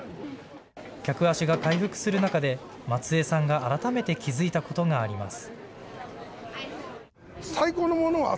客足が回復する中で、松江さんが改めて気付いたことがあります。